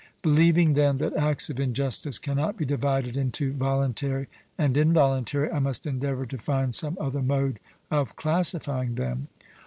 Believing, then, that acts of injustice cannot be divided into voluntary and involuntary, I must endeavour to find some other mode of classifying them.